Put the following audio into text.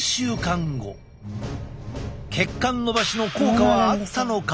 血管のばしの効果はあったのか？